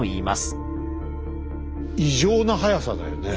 異常な早さだよね。